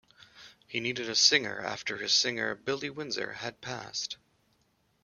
He needed a singer after his singer, Billy Windsor, had passed.